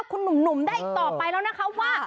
คุณหนุ่มได้อีกต่อไปแล้วนะคะว่า